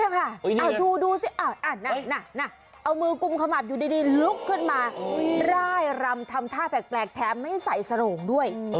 เอาดูสิเอามือกุมขมับอยู่ดีลุกขึ้นมาร่ายรำทำท่าแปลกแถมไม่ใส่สโรงด้วย